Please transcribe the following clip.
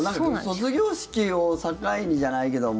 卒業式を境にじゃないけども。